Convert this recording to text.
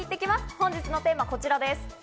本日のテーマはこちらです。